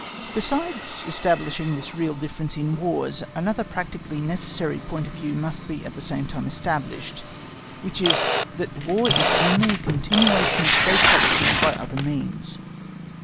Besides establishing this real difference in Wars, another practically necessary point of view must at the same time be established, which is, that War is only a continuation of State policy by other means.